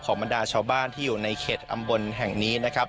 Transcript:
บรรดาชาวบ้านที่อยู่ในเขตอำเภอแห่งนี้นะครับ